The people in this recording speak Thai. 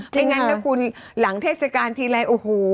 อย่างนั้นนะคุณหลังเทศกาลทีไรโอ้โห